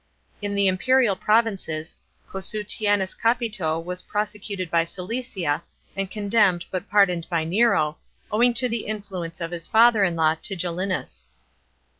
In the imperial provinces, Cossutianus Capito* was pro secuted by Cilicia, and condemned, but pardoned by Nero, owing to the influence of his father in law Tigellinus.